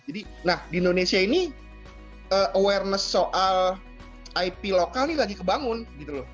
nah di indonesia ini awareness soal ip lokal ini lagi kebangun gitu loh